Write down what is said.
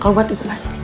kalau buat ibu pasti bisa